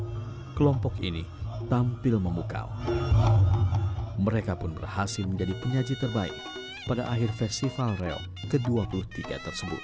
namun kelompok ini tampil memukau mereka pun berhasil menjadi penyaji terbaik pada akhir festival reok ke dua puluh tiga tersebut